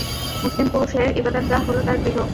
মুসলিম পুরুষের ইবাদাতগাহ হল তার গৃহ।